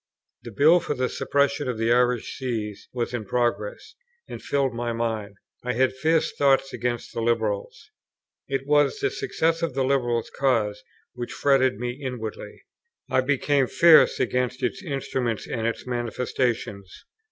The Bill for the Suppression of the Irish Sees was in progress, and filled my mind. I had fierce thoughts against the Liberals. It was the success of the Liberal cause which fretted me inwardly. I became fierce against its instruments and its manifestations.